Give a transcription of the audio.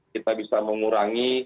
kita bisa mengurangi